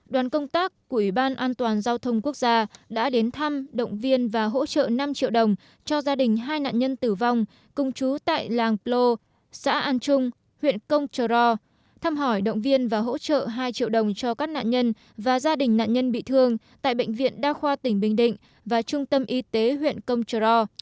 đoàn công tác của ủy ban an toàn giao thông quốc gia đã đến thăm động viên và hỗ trợ năm triệu đồng cho gia đình hai nạn nhân tử vong công chú tại làng plô xã an trung huyện công trờ ro thăm hỏi động viên và hỗ trợ hai triệu đồng cho các nạn nhân và gia đình nạn nhân bị thương tại bệnh viện đa khoa tỉnh bình định và trung tâm y tế huyện công trờ ro